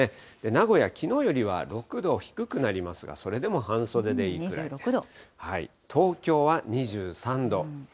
名古屋、きのうよりは６度低くなりますが、それでも半袖でいいくらいです。